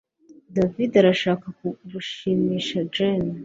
David arashaka gushimisha Jane